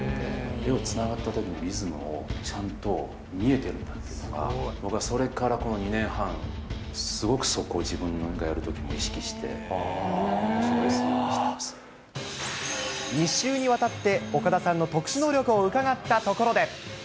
絵がつながったときにリズムを、ちゃんと見えているんだっていうのが、僕はそれからこの２年半、すごくそこを自分がやるときも意識して、２週にわたって、岡田さんの特殊能力を伺ったところで。